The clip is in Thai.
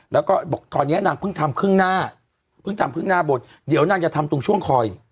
แล้วก็บอกตอนนี้นางเพิ่งทำครึ่งหน้าเพิ่งทำพึ่งหน้าบทเดี๋ยวนางจะทำตรงช่วงคอย